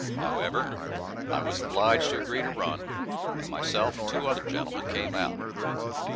However, I was obliged to agree to run, and myself and two other gentlemen came out.